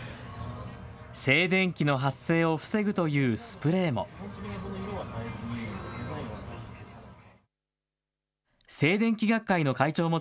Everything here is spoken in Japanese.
静電気の発生を防ぐというスプレーも。